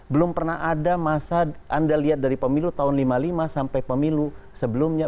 belum pernah ada masa anda lihat dari pemilu tahun seribu sembilan ratus lima puluh lima sampai pemilu sebelumnya